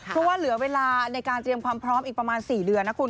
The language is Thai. เพราะว่าเหลือเวลาในการเตรียมความพร้อมอีกประมาณ๔เดือนนะคุณ